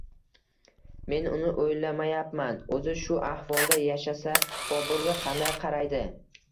Men uni o`ylamayapman, o`zi shu ahvolda yashasa, Boburga qanday qaraydi